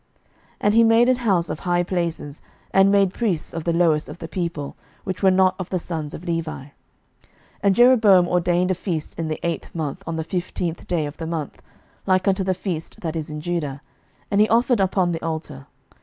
11:012:031 And he made an house of high places, and made priests of the lowest of the people, which were not of the sons of Levi. 11:012:032 And Jeroboam ordained a feast in the eighth month, on the fifteenth day of the month, like unto the feast that is in Judah, and he offered upon the altar.